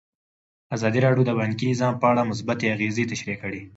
ازادي راډیو د بانکي نظام په اړه مثبت اغېزې تشریح کړي.